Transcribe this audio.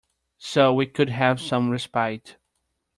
So we could have some respite.